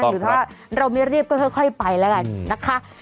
หรือถ้าเรามีเรียบก็ค่อยไปแล้วกัน